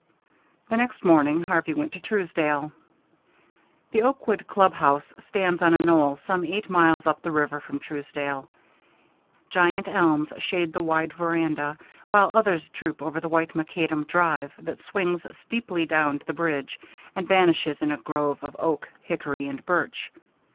The next morning Harvey went to Truesdale. The Oakwood Club House stands on a knoll some eight miles up the river from Truesdale. Giant elms shade the wide veranda, while others droop over the white macadam drive that swings steeply down to the bridge and vanishes in a grove of oak, hickory, and birch.